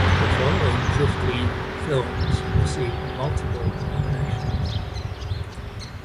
The following fifteen films received multiple nominations.